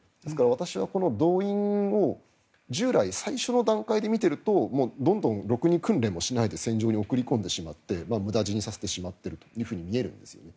私は動員を従来、最初の段階で見ているとどんどん、ろくに訓練もしないで戦場に送り込んでしまって無駄死にさせてしまっていると見えるんですよね。